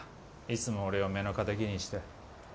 いつも俺を目の敵にして。